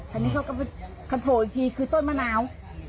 อันนี้เขาก็โผล่อีกทีคือต้นมะนาว